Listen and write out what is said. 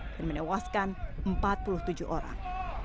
dan menewaskan empat puluh tujuh orang